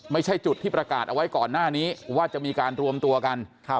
ไม่ใช่จุดที่ประกาศเอาไว้ก่อนหน้านี้ว่าจะมีการรวมตัวกัน